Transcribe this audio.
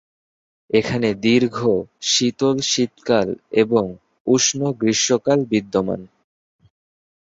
এখানে দীর্ঘ, শীতল শীতকাল এবং উষ্ম গ্রীষ্মকাল বিদ্যমান।